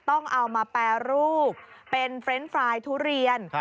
ต้องเอามาแปรรูปเป็นเฟรนด์ไฟล์ทุเรียน